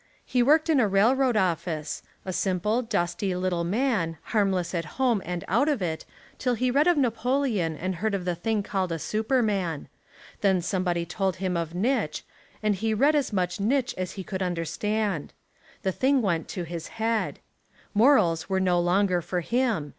He worked in a railroad office, a simple, dusty, lit tle man, harmless at home and out of it till he read of Napoleon and heard of the thing called a Superman. Then somebody told him of NItch, and he read as much Nitch as he could understand. The thing went to his head. 59 Essays and Literary Studies Morals were no longer for him.